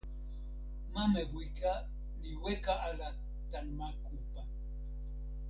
ma Mewika li weka ala tan ma Kupa.